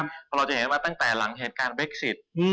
เพราะเราจะเห็นว่าตั้งแต่หลังเหตุการณ์เบคซิต